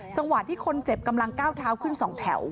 จังหวะที่คนเจ็บกำลังก้าวเท้าขึ้น๒แถว